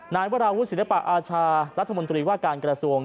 นายวราวุฒิศิลปะอาชารัฐมนตรีว่าการกระทรวง